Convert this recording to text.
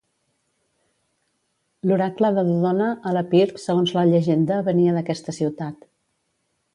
L'oracle de Dodona, a l'Epir, segons la llegenda venia d'aquesta ciutat.